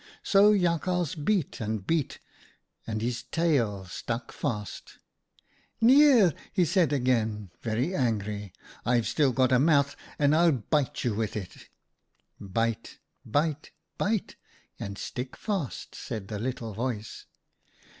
" So Jakhals beat and beat, and his tail stuck fast. "' Nier r r !' he said again, very angry ;' I've still got a mouth, and I'll bite you with it.' "* Bite bite, bite, and stick fast,' said the little voice.